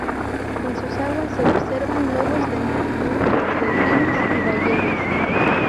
En sus aguas se observan lobos de mar, nutrias, delfines y ballenas.